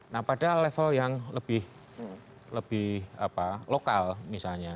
nah pada level yang lebih lokal misalnya